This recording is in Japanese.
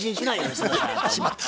しまった。